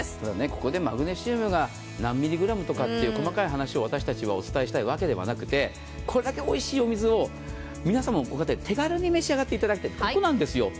ここでマグネシウムが何ミリグラムとかという細かい話を私たちお伝えしたいわけではなくこれだけおいしいお水を皆さまのご家庭で手軽にお召し上がりいただくだけなんです。